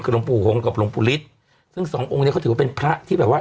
คือหลวงปู่หงกับหลวงปู่ฤทธิ์ซึ่งสององค์เนี้ยเขาถือว่าเป็นพระที่แบบว่า